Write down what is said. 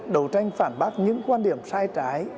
nên phản bác những quan điểm sai trái